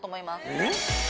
えっ！